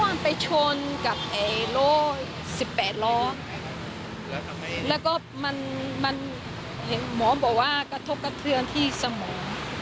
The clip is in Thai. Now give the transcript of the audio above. มันไปชนกับไอ้ล้อ๑๘ล้อแล้วก็มันมันเห็นหมอบอกว่ากระทบกระเทือนที่สมอง